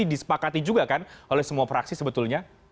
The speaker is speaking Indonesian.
disepakati juga kan oleh semua fraksi sebetulnya